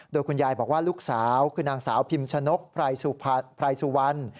โดยคุณยายบอกว่าลูกสาวคือนางสาวพิมพ์ชะนกพรายสุวรรค์พรายสุวรรค์